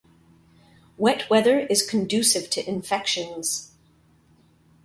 Wet weather is conducive to infections.